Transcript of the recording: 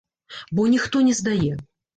Бо ніхто не здае.